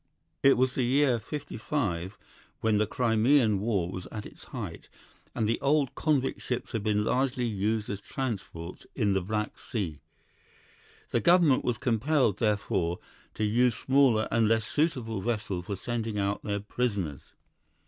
"'It was the year '55 when the Crimean war was at its height, and the old convict ships had been largely used as transports in the Black Sea. The government was compelled, therefore, to use smaller and less suitable vessels for sending out their prisoners.